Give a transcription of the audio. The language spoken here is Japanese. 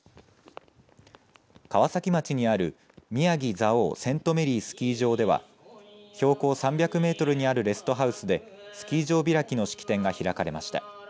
川崎町にあるみやぎ蔵王セントメリースキー場では標高３００メートルにあるレストハウスでスキー場開きの式典が開かれました。